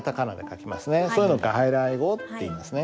そういうの外来語っていいますね。